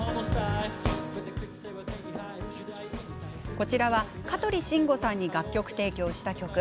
こちらは香取慎吾さんに楽曲提供した曲。